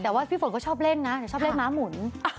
แต่ว่าพี่ฝนก็ชอบเล่นนะแต่ชอบเล่นม้าหมุน